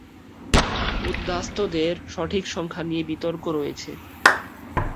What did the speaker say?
উদ্বাস্তুদের সঠিক সংখ্যা নিয়ে বিতর্ক রয়েছে।